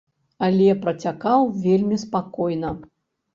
Але працякаў вельмі спакойна.